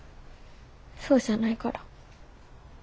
そうじゃないから。